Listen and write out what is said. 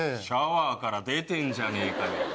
シャワーから出てんじゃねえかよ。